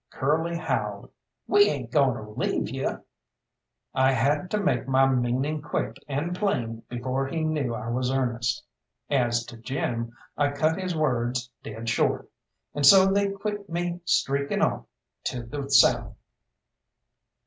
Curly howled, "We ain't goin' to leave you!" I had to make my meaning quick and plain before he knew I was earnest. As to Jim, I cut his words dead short and so they quit me streaking off to the south.